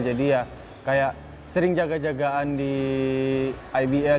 jadi ya kayak sering jaga jagaan di ibl